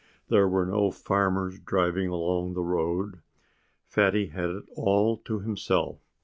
There were no farmers driving along the road. Fatty had it all to himself.